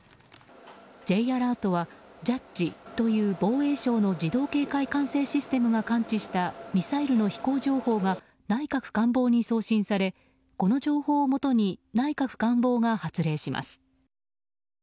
Ｊアラートは、ＪＡＤＧＥという防衛省の自動警戒管制システムが感知したミサイルの飛行情報が内閣官房に送信されこの情報をもとに内閣官房が発令します。